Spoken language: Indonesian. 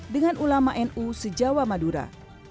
dengan ulama nu sejauh madura